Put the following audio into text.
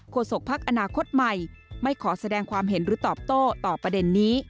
ศกภักดิ์อนาคตใหม่ไม่ขอแสดงความเห็นหรือตอบโต้ต่อประเด็นนี้